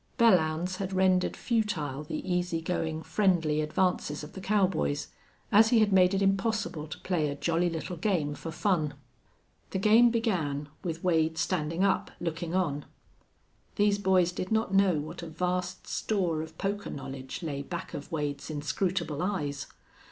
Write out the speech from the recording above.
Belllounds had rendered futile the easy going, friendly advances of the cowboys, as he had made it impossible to play a jolly little game for fun. The game began, with Wade standing up, looking on. These boys did not know what a vast store of poker knowledge lay back of Wade's inscrutable eyes.